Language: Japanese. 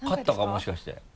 もしかして。